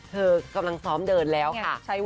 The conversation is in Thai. กำลังซ้อมเดินแล้วค่ะ